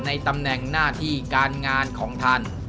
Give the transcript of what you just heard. ในตำแหน่งหน้าที่การงานของท่าน